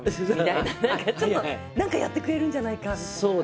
何かちょっと何かやってくれるんじゃないかみたいな。